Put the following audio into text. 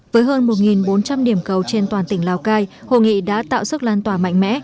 với hơn một bốn trăm linh điểm cầu trên toàn tỉnh lào cai hội nghị đã tạo sức lan tỏa mạnh mẽ